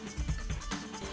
terima kasih mas hadi mas roy